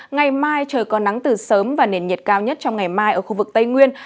ngày mai trời có nắng từ sớm và nền nhiệt cao nhất trong ngày mai ở khu vực tây nguyên